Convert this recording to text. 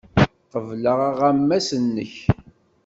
Qebleɣ aɣawas-nnek.